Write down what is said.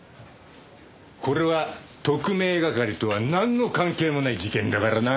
これは特命係とはなんの関係もない事件だからな。